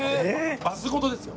バスごとですよ。